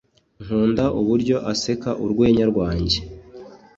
Nkunda uburyo aseka urwenya rwanjye.